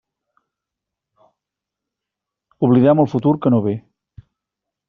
Oblidem el futur que no ve.